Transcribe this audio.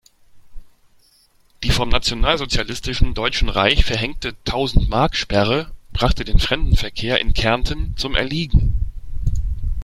Die vom nationalsozialistischen Deutschen Reich verhängte Tausend-Mark-Sperre brachte den Fremdenverkehr in Kärnten zum Erliegen.